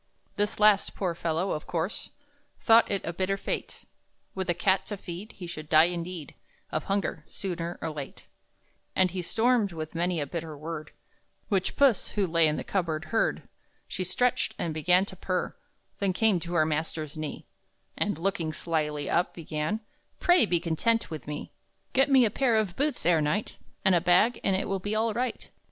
This last, poor fellow, of course Thought it a bitter fate; With a cat to feed, he should die, indeed, Of hunger, sooner or late. And he stormed, with many a bitter word, Which Puss, who lay in the cupboard, heard. She stretched, and began to purr, Then came to her master's knee, And, looking slyly up, began: "Pray be content with me! Get me a pair of boots ere night, And a bag, and it will be all right!"